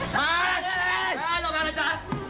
มา้โทษแม่งนะจ๊ะ